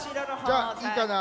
じゃあいいかな？